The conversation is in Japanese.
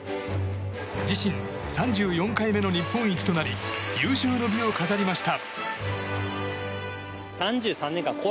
自身３４回目の日本一となり有終の美を飾りました。